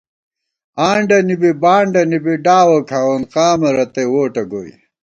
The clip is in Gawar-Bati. آنڈہ نی بی بانڈَنی بی ڈاوَہ کھاوون قامہ رتئ ووٹہ گوئی